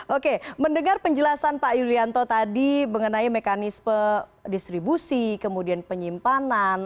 oke mendengar penjelasan pak yulianto tadi mengenai mekanisme distribusi kemudian penyimpanan